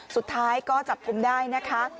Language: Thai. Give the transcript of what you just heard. สุดท้ายก็จับกลุ่มได้นะคะ